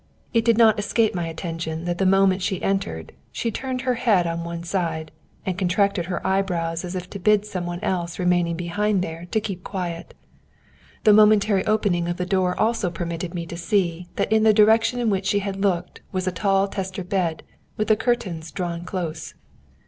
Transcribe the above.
It did not escape my attention that the moment she entered she turned her head on one side, and contracted her eyebrows as if to bid some one else remaining behind there to keep quiet. The momentary opening of the door also permitted me to see that in the direction in which she had looked was a tall tester bed with the curtains drawn close.